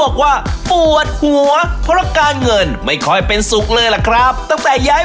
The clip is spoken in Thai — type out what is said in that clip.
ขายดีไหมครับคุณเบน